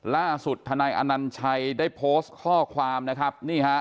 ล่าสุดธนายอนันชัยได้โพสต์ข้อความนะครับ